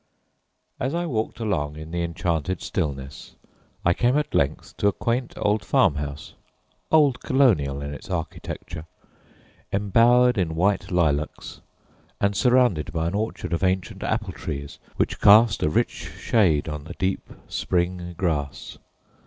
As I walked along in the enchanted stillness, I came at length to a quaint old farm house "old Colonial" in its architecture embowered in white lilacs, and surrounded by an orchard of ancient apple trees which cast a rich shade on the deep spring grass.